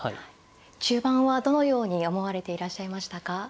中盤はどのように思われていらっしゃいましたか。